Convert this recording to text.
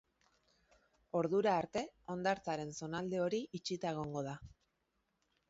Ordura arte, hondartzaren zonalde hori itxita egongo da.